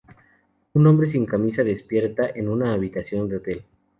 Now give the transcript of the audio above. Un hombre sin camisa despierta en una habitación de hotel.